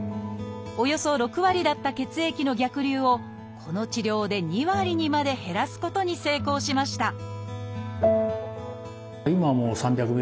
およそ６割だった血液の逆流をこの治療で２割にまで減らすことに成功しました！